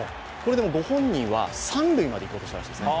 ご本人は三塁まで行こうとしたらしいですね。